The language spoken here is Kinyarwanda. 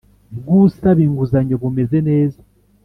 Bw usaba inguzanyo bumeze neza